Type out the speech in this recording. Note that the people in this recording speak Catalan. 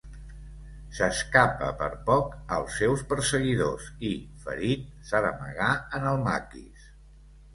S'escapa per poc als seus perseguidors i, ferit, s'ha d'amagar en el maquis.